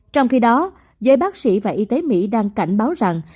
trong khi đó giới bác sĩ và y tế mỹ đang cảnh báo rằng